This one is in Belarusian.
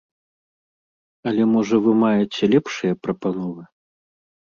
Але можа вы маеце лепшыя прапановы?